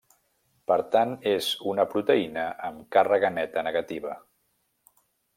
Per tant, és una proteïna amb càrrega neta negativa.